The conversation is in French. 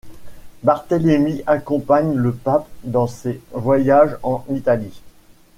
Barthélemy accompagne le pape dans ses voyages en Italie.